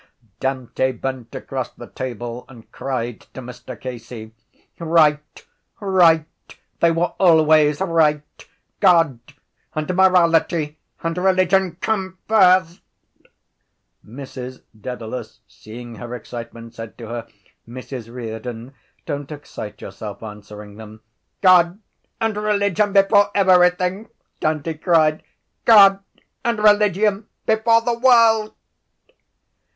Dante bent across the table and cried to Mr Casey: —Right! Right! They were always right! God and morality and religion come first. Mrs Dedalus, seeing her excitement, said to her: —Mrs Riordan, don’t excite yourself answering them. —God and religion before everything! Dante cried. God and religion before the world.